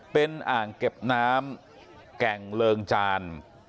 เป็นอ่างเก็บน้ำแก่งเริงจาน